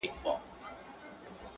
o راسه دعا وكړو ـ